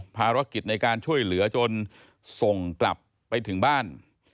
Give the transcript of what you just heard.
ภารกิจในการช่วยเหลือจนส่งกลับไปถึงบ้าน